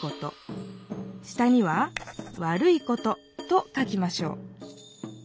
下には「悪いこと」と書きましょう。